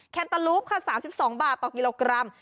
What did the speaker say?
แนตาลูปค่ะ๓๒บาทต่อกิโลกรัม